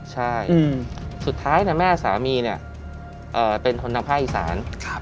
ใช่สุดท้ายแม่สามีเป็นคนทางภาคอีสาน